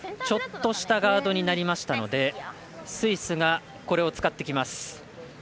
ちょっとしたガードになりましたのでスイスが、これを使ってきます。